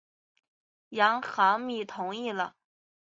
杨行密同意了。